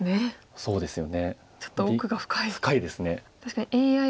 そうですね。